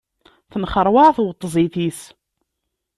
Tenxeṛwaɛ tweṭzit-is.